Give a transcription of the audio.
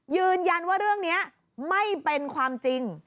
ยืนยันว่าเรื่องนี้ไม่เป็นความจริง